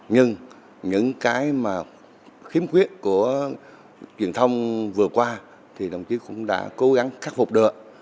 nhưng những cái mà khiếm khuyết của truyền thông vừa qua thì đồng chí cũng đã cố gắng khắc phục được